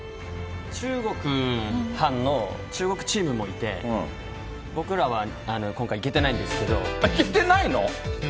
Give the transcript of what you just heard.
中国班の中国チームもいて、僕らは今回、行けてないんですけ行けてないの？